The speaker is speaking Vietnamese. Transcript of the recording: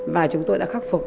và chúng tôi đã khắc phục